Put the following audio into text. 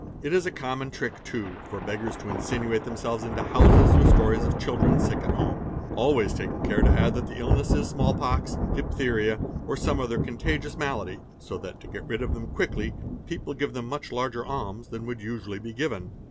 It is a common trick, too, for beggars to insinuate themselves into houses with stories of children sick at home, always taking care to add that the illness is small pox, diphtheria, or some other contagious malady, so that to get rid of them quickly people give them much larger alms than would usually be given.